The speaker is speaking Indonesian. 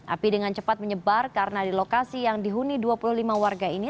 api dengan cepat menyebar karena di lokasi yang dihuni dua puluh lima warga ini